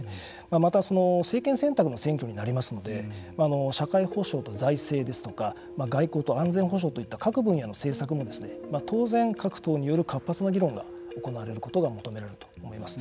また、政権選択の選挙になりますので社会保障と財政ですとか外交と安全保障といった各分野の政策も当然、各党による活発な議論が行われることが求められると思います。